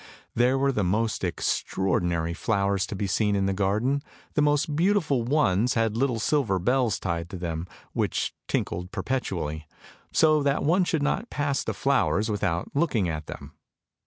There were the most extraordinary flowers to be seen in the garden; the most beautiful ones had little silver bells tied to them, which tinkled perpetually, so that one should not pass the flowers without looking at them.